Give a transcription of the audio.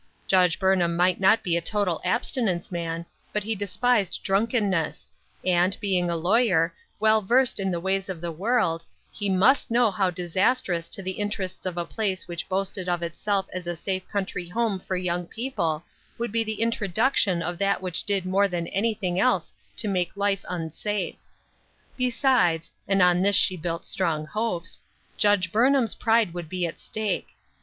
Judge Burn ham might not be a total abstinence man, but he despised drunkenness ; and being a lawyer, well versed in the ways of the world, he must know how disastrous to the interests of a place which boasted of itself as a safe country home for young people would be the introduction of that which did more than anything else to make life unsafe. Besides — and on this she built strong hopes —• Judge Burnham's pride would be at stake.